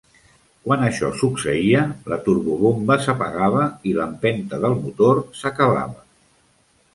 Quan això succeïa, la turbobomba s'apagava i l'empenta del motor s'acabava.